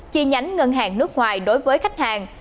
chi nhánh ngân hàng nước ngoài đối với khách hàng